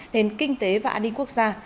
nền kinh tế và an ninh quốc gia